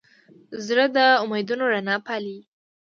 زړه د امیدونو رڼا پالي.